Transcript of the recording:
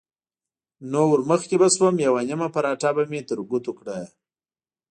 نو ورمخکې به شوم، یوه نیمه پراټه به مې تر ګوتو کړه.